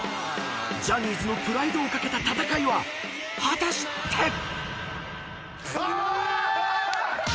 ［ジャニーズのプライドを懸けた戦いは果たして⁉］